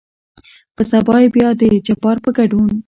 په سبا يې بيا دجبار په ګدون